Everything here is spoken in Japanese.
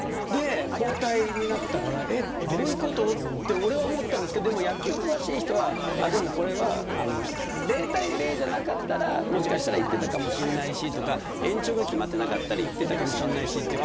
交代になったからどういうことと思ったんですが野球詳しい人は０対０じゃなかったらもしかしたらいっていたかもしれないしとか延長が決まっていなかったらいっていたかもしれないしと。